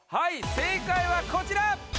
正解はこちら。